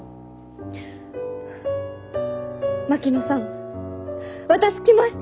槙野さん私来ました！